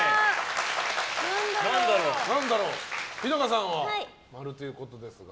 日高さんは○ということですが。